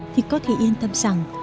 thì có thể yên tâm rằng